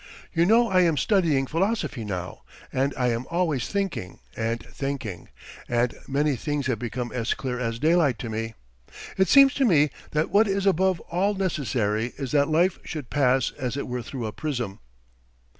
"You know I am studying philosophy now, and I am always thinking and thinking. ... And many things have become as clear as daylight to me. It seems to me that what is above all necessary is that life should pass as it were through a prism."